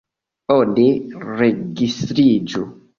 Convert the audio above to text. Oni registriĝu.